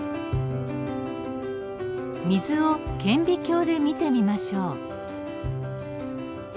水を顕微鏡で見てみましょう。